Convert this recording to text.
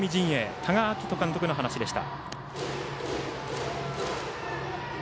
多賀章仁監督の話でした。